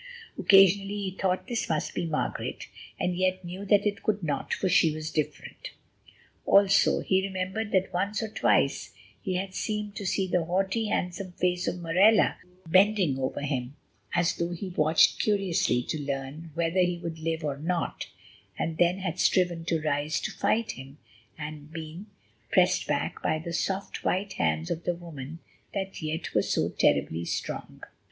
Occasionally he thought that this must be Margaret, and yet knew that it could not, for she was different. Also, he remembered that once or twice he had seemed to see the haughty, handsome face of Morella bending over him, as though he watched curiously to learn whether he would live or not, and then had striven to rise to fight him, and been pressed back by the soft, white hands of the woman that yet were so terribly strong.